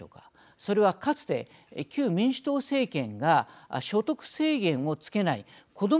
それはかつて、旧民主党政権が所得制限をつけないこども